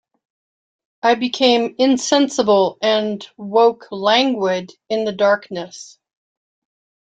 I became insensible and woke languid in the darkness.